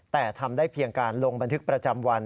แต่ทำได้เพียงการลงบันทึกประจำวัน